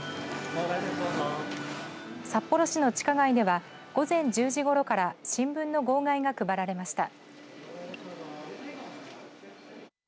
札幌市の地下街では午前１０時ごろから新聞の号外が配られました。